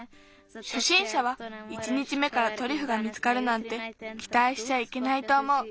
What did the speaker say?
しょしんしゃは１日目からトリュフが見つかるなんてきたいしちゃいけないとおもう。